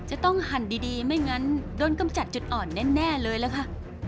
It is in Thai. ต้องหั่นดีไม่งั้นโดนกำจัดจุดอ่อนแน่เลยล่ะค่ะ